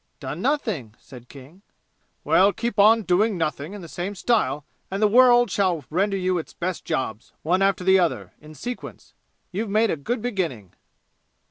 "Done nothing," said King. "Well, keep on doing nothing in the same style and the world shall render you its best jobs, one after the other, in sequence! You've made a good beginning!"